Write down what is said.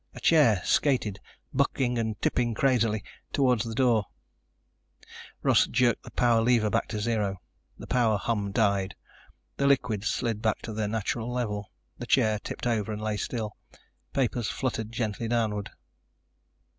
A chair skated, bucking and tipping crazily, toward the door. Russ jerked the power lever back to zero. The power hum died. The liquids slid back to their natural level, the chair tipped over and lay still, papers fluttered gently downward.